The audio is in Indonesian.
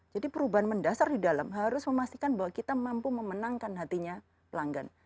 jadi perubahan mendasar di dalam harus memastikan bahwa kita mampu memenangkan hatinya pelanggan